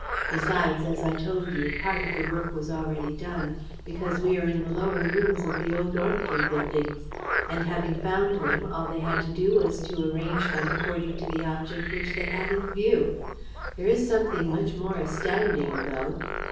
Besides, as I told you, part of the work was already done, because we are in the lower rooms of the old Ornequin buildings; and, having found them, all they had to do was to arrange them according to the object which they had in view. There is something much more astounding, though!"